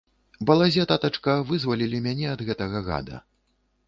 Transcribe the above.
Балазе, татачка, вызвалілі мяне ад гэтага гада.